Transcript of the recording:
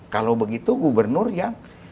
kalau begitu gubernur yang